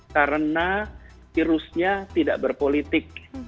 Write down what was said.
karena virusnya tidak berpolitik